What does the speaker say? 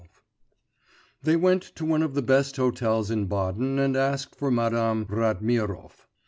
XII They went to one of the best hotels in Baden and asked for Madame Ratmirov.